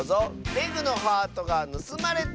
「レグのハートがぬすまれた！」